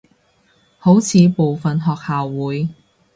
好似部份學校會